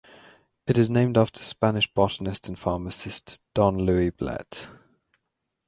It is named after Spanish botanist and pharmacist Don Luis Blet.